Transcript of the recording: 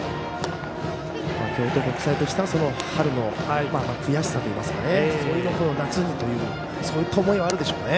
京都国際としてはその春の悔しさといいますかそういうものを夏にというそういった思いはあるでしょうね。